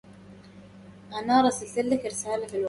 ومجرد كالسيف جرد نفسه